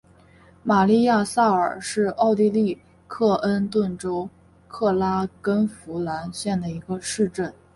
玛丽亚萨尔是奥地利克恩顿州克拉根福兰县的一个市镇。